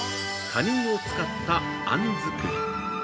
カニ身を使ったあん作り。